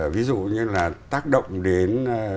ví dụ như là tác động đến